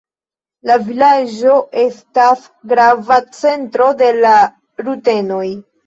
La vilaĝo estas grava centro de la rutenoj.